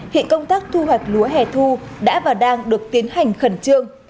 hiện công tác thu hoạch lúa hẻ thu đã và đang được tiến hành khẩn trương